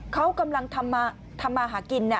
เขากำลังทำมาหากิน